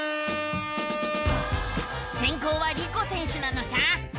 せんこうはリコ選手なのさ！